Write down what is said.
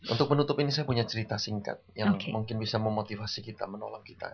untuk penutup ini saya punya cerita singkat yang mungkin bisa memotivasi kita menolong kita